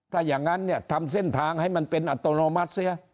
ถ้าอย่างนั้นเนี่ยทำเส้นทางให้มันเป็นอัตโนมัติเสีย